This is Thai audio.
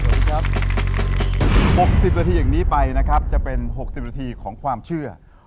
ครับ๖๐นาทีอย่างนี้ไปนะครับจะเป็น๖๐นาทีของความเชื่อ